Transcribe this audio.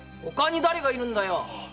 他に誰がいるんだよ！